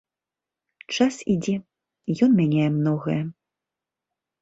Час ідзе, ён мяняе многае.